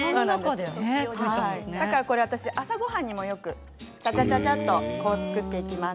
朝ごはんにもちゃちゃちゃちゃと作っていきます。